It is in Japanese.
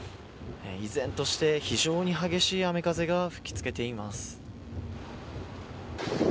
依然として、非常に激しい雨風が吹き付けています。